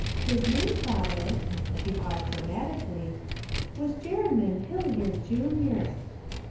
His name, father' she paused dramatically 'was Jerymn Hilliard Junior!'